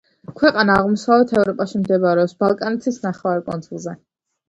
ქვეყანა აღმოსავლეთ ევროპაში, მდებარეობს ბალკანეთის ნახევარკუნძულზე.